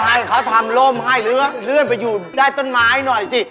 ให้เขาทำร่มให้เลื่อนไปอยู่ได้ต้นไม้หน่อยสิ